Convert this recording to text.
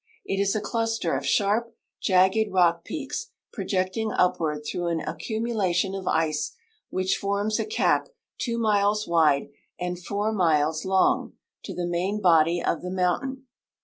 It is a cluster of sharp, jagged rock peaks projecting upward through an accu mulation of ice which forms a cap two miles wide and four miles THE OLYMPIC COUNTRY 135 long to the main body of the mountain.